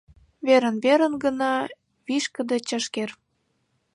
Верын-верын гына вишкыде чашкер.